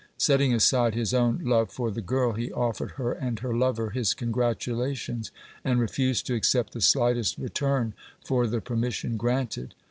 Setting aside his own love for the girl, he offered her and her lover his congratulations, and refused to accept the slightest return for the permission granted.